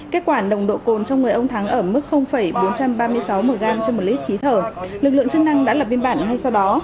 kết quả nồng độ cồn trong người ông thắng ở mức bốn trăm ba mươi sáu mg trên một lít khí thở lực lượng chức năng đã lập biên bản ngay sau đó